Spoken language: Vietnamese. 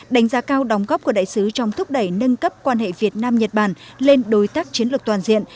đánh giá cao đóng góp của đại sứ trong thúc đẩy nâng cấp quan hệ việt nam nhật bản lên đối tác chiến lược toàn diện